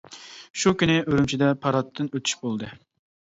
شۇ كۈنى ئۈرۈمچىدە پاراتتىن ئۆتۈش بولدى.